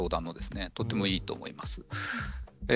とてもいいと思います。